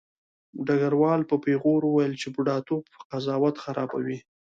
ډګروال په پیغور وویل چې بوډاتوب قضاوت خرابوي